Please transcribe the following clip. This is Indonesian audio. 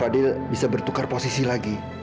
adil bisa bertukar posisi lagi